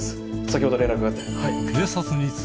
先ほど連絡があって。